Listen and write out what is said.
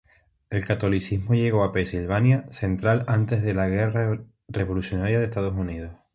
El catolicismo llegó a Pennsylvania central antes de la guerra revolucionaria de Estados Unidos.